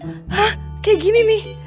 hah kayak gini nih